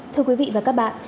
thưa quý vị và các bạn